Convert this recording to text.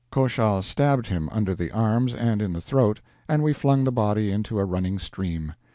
Koshal stabbed him under the arms and in the throat, and we flung the body into a running stream.